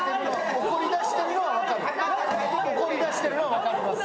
怒りだしてるのは分かります。